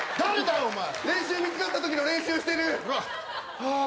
練習見つかったときの練習してる。